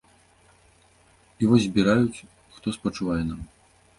І вось збіраюць, хто спачувае нам.